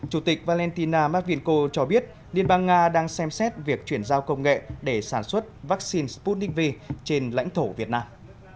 chủ tịch valentina matvinko cho biết liên bang nga đang xem xét việc chuyển giao công nghệ để sản xuất vaccine sputnik v trên lãnh thổ việt nam